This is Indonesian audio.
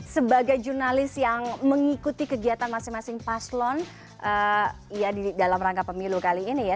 sebagai jurnalis yang mengikuti kegiatan masing masing paslon dalam rangka pemilu kali ini ya